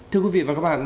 thưa quý vị và các bạn